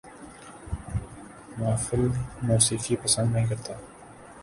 محافل موسیقی پسند نہیں کرتا